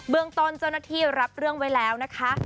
เรื่องต้นเจ้าหน้าที่รับเรื่องไว้แล้วนะคะ